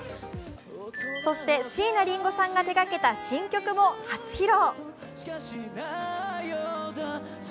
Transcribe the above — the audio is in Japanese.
そして椎名林檎さんが手がけた新曲も初披露。